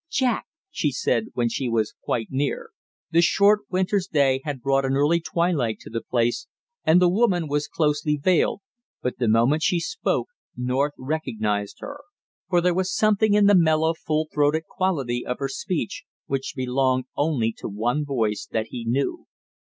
"Jack!" she said, when she was quite near. The short winter's day had brought an early twilight to the place, and the woman was closely veiled, but the moment she spoke North recognized her, for there was something in the mellow full throated quality of her speech which belonged only to one voice that he knew.